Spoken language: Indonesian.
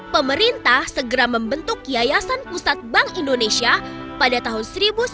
pemerintah segera membentuk yayasan pusat bank indonesia pada tahun seribu sembilan ratus sembilan puluh